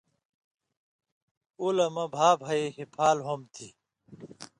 ”او لہ مہ بھا بھئ ہیپھال ہوم تھی،